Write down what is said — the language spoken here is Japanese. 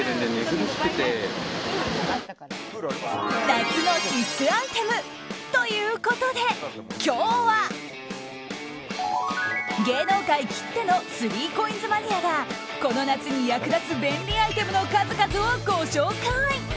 夏の必須アイテムということで今日は芸能界きってのスリーコインズマニアがこの夏に役立つ便利アイテムの数々をご紹介。